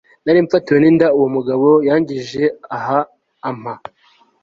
narimfatiwe ninda uwo mugabo yangejeje aha ampa